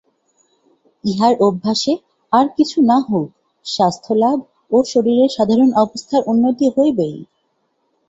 ইহার অভ্যাসে আর কিছু না হউক স্বাস্থ্যলাভ ও শরীরের সাধারণ অবস্থার উন্নতি হইবেই।